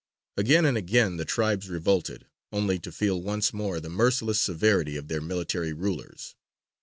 Again and again the tribes revolted, only to feel once more the merciless severity of their military rulers.